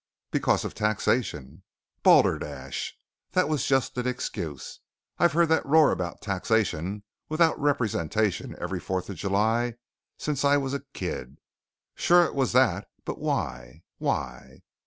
"Because of taxation." "Balderdash. That was just an excuse. I've heard that roar about 'Taxation without representation' every Fourth of July since I was a kid. Sure it was that, but why? Why?